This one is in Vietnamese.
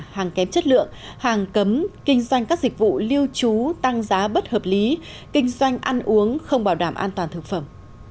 hàng kém chất lượng hàng cấm kinh doanh các dịch vụ lưu trú tăng giá bất hợp lý kinh doanh ăn uống không bảo đảm an toàn thực phẩm